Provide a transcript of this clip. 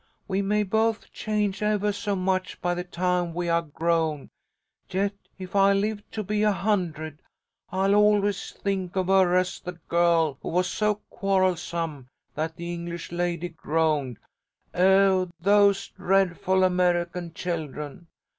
We may both change evah so much by the time we are grown, yet if I live to be a hundred I'll always think of her as the girl who was so quarrelsome that the English lady groaned, 'Oh, those dreadful American children!'